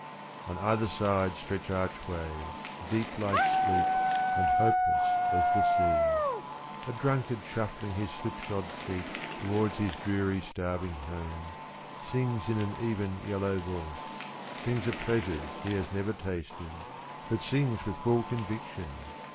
On either side stretch archways Deep like sleep and hopeless as the sea. — A drunkard shuffling his slipshod feet Towards his dreary starving home, Sings in an even yellow voice : Sings of pleasures he has never tasted, But sings with full conviction.